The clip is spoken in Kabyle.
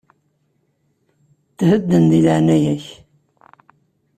Thedden, deg leɛaya-k.